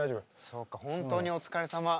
そうか本当にお疲れさま。